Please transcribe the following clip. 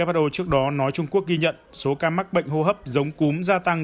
who trước đó nói trung quốc ghi nhận số ca mắc bệnh hô hấp giống cúm gia tăng